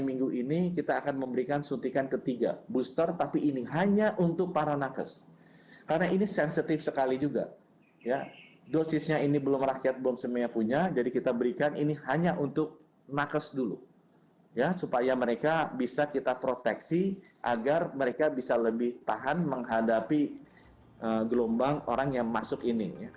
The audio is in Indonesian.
vaksin moderna merupakan vaksin berbasis mrna yang telah mendapat emergency use authorization atau izin pakai di masa darurat oleh bepom pada dua juli dua ribu dua puluh satu